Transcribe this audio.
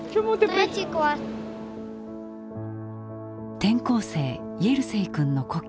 転校生イェルセイ君の故郷